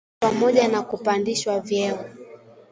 Tisa pamoja na kupandishwa vyeo